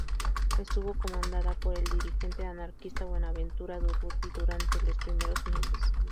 Estuvo comandada por el dirigente anarquista Buenaventura Durruti durante los primeros meses.